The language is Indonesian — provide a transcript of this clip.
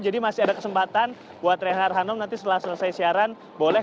jadi masih ada kesempatan buat reinhardt hanum nanti setelah selesai siaran boleh